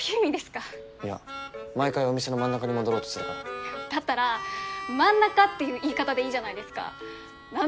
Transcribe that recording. いや毎回お店の真ん中に戻ろうとするからだったら真ん中っていう言い方でいいじゃないですかな